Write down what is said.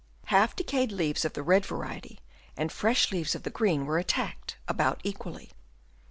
Half decayed leaves of the red variety and fresh leaves of the green were attacked about equally.